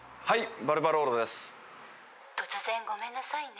はい。